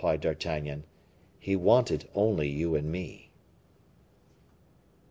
replied D'Artagnan. "He wanted only you and me."